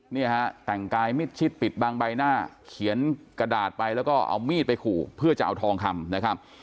เนี่ยฮะแต่งกายมิดชิดปิดบางใบหน้าเขียนกระดาษไปแล้วก็เอามีดไปขู่เพื่อจะเอาทองคำนะครับ